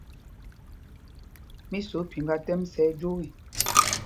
Mí sǒ phiŋgā tɛ́m sá ɛjwōō ê.